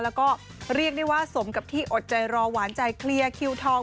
แล้วก็เรียกได้ว่าสมกับที่อดใจรอหวานใจเคลียร์คิวทอง